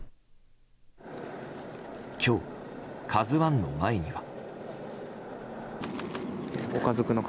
今日「ＫＡＺＵ１」の前には。